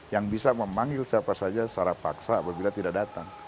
yang bisa memanggil siapa saja secara paksa apabila tidak datang